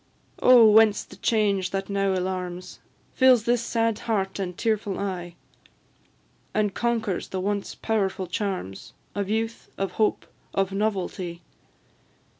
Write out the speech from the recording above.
Oh! whence the change that now alarms, Fills this sad heart and tearful eye, And conquers the once powerful charms Of youth, of hope, of novelty?